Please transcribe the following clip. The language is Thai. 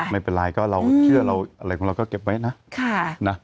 ไม่เป็นไรก็เราเชื่อเราอะไรก็เขียนไว้ไหมนะ